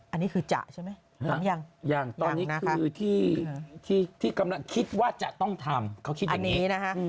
อันนี้คือจำมั้ยพลังยังอย่างตอนนี้อีกที่ที่กำลังเก็บว่าจะต้องทำเขาคิดอย่างนี้นะคะ